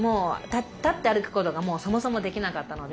立って歩くことがそもそもできなかったので。